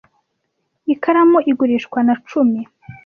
Ikaramu igurishwa na cumi.